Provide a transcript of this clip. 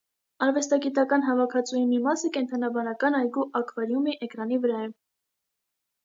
Արվեստագիտական հավաքածուի մի մասը կենդանաբանական այգու ակվարիումի էկրանի վրա է։